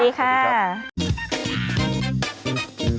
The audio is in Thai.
โปรดติดตามตอนต่อไป